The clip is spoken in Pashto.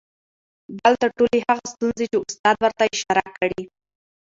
دلته ټولې هغه ستونزې چې استاد ورته اشاره کړى